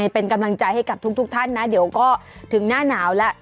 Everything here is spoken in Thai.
เป็นกำลังใจให้กับทุกท่านนะเดี๋ยวก็ถึงหน้าหนาวแล้ว